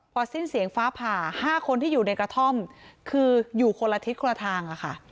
พอสิ้นเสียงฟ้าผ่า๕คนที่อยู่ในกระท่อมคืออยู่คนละทิศคนละทางอะค่ะ